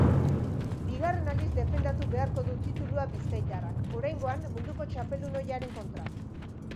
Bigarren aldiz defendatu beharko du titulua bizkaitarrak, oraingoan munduko txapeldun ohiaren kontra.